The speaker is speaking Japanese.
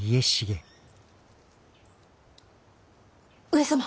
上様。